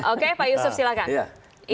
oke pak yusuf silakan